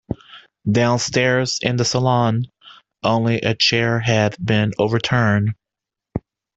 Downstairs, in the salon, only a chair had been overturned.